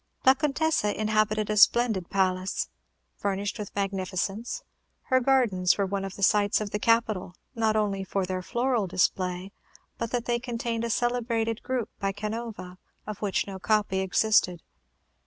La Contessa inhabited a splendid palace, furnished with magnificence; her gardens were one of the sights of the capital, not only for their floral display, but that they contained a celebrated group by Canova, of which no copy existed.